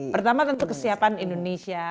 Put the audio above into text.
pertama tentu kesiapan indonesia